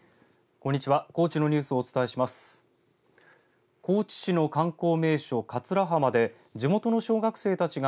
こんにちは。